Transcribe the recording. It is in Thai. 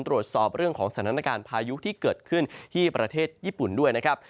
ตรวจสอบเรื่องของสถานการณ์พายุที่เกิดขึ้นที่ประเทศญี่ปุ่นด้วยนะครับ